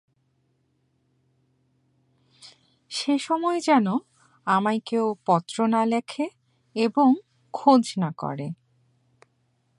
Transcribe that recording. সে সময় যেন আমায় কেউ পত্র না লেখে এবং খোঁজ না করে।